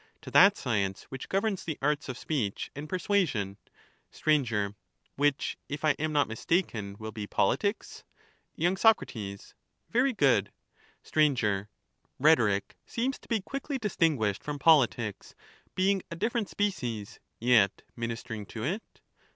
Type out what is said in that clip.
To that science which governs the arts of speech and persuasion. Sir. Which, if I am not mistaken, will be politics ? This art is Y. Soc. Very good. |!j>Hto°^ Sir. Rhetoric seems to be quickly distinguished from which is politics, being a different species, yet ministering to it.